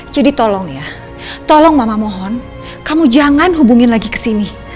jadi tolong ya tolong mama mohon kamu jangan hubungin lagi ke sini